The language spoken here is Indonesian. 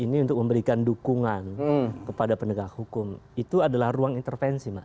ini untuk memberikan dukungan kepada penegak hukum itu adalah ruang intervensi mas